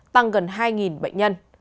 tăng gần hai bệnh nhân